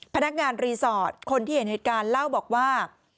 พนักงานรีสอร์ทคนที่เห็นเหตุการณ์เล่าบอกว่า